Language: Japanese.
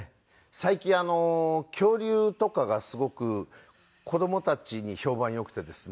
最近恐竜とかがすごく子供たちに評判良くてですね。